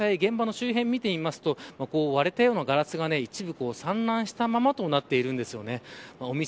今も、現場の周辺を見てみると割れたようなガラスが一部散乱したままとなっています。